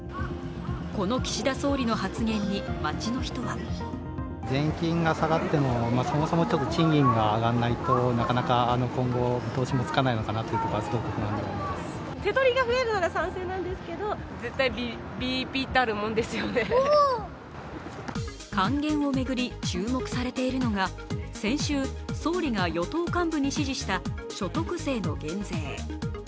この岸田総理の発言に街の人は還元を巡り注目されているのが先週、総理が与党幹部に指示した所得税の減税。